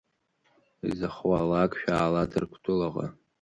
Изахуалак шәаала Ҭырқутәылаҟа!